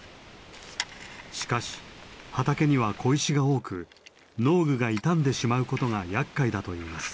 しかし畑には小石が多く農具が傷んでしまうことがやっかいだといいます。